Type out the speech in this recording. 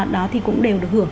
đó thì cũng đều được hưởng